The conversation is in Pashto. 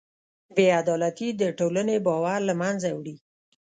بېعدالتي د ټولنې باور له منځه وړي.